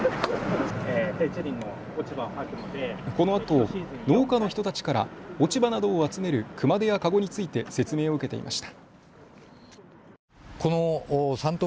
このあと農家の人たちから落ち葉などを集める熊手や籠について説明を受けていました。